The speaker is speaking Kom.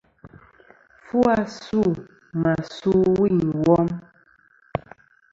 Fu asû mà su ɨwûyn ɨ wom.